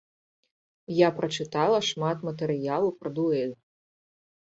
Я прачытала шмат матэрыялу пра дуэль.